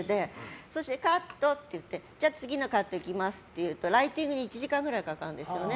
カットって言って次のカットいきますっていうとライティングに１時間くらいかかるんですよね。